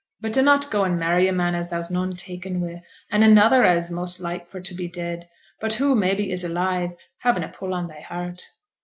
But dunnot go and marry a man as thou's noane taken wi', and another as is most like for t' be dead, but who, mebbe, is alive, havin' a pull on thy heart.'